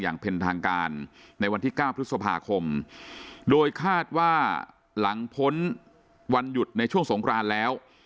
อย่างเป็นทางการในวันที่๙พฤษภาคมโดยคาดว่าหลังพ้นวันหยุดในช่วงสงครานแล้ว